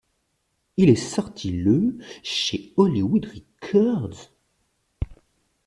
Il est sorti le chez Hollywood Records.